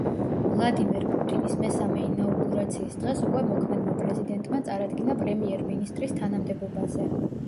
ვლადიმერ პუტინის მესამე ინაუგურაციის დღეს უკვე მოქმედმა პრეზიდენტმა წარადგინა პრემიერ-მინისტრის თანამდებობაზე.